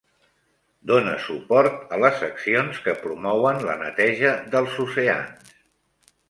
Donar suport a les accions que promouen la neteja dels oceans.